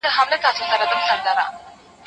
د کور سکون وساتئ.